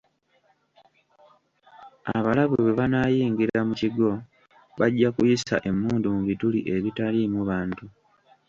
Abalabe bwe banaayingira mu kigo bajja kuyisa emmundu mu bituli ebitaliimu bantu.